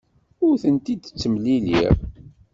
Ur tent-id-ttemliliɣ.